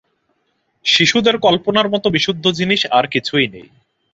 শিশুদের কল্পনার মতো বিশুদ্ধ জিনিস আর কিছুই নেই।